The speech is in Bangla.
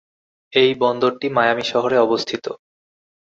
এই বন্দরটি মায়ামি শহরে অবস্থিত।